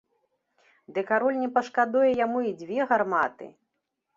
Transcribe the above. Ды кароль не пашкадуе яму і дзве гарматы!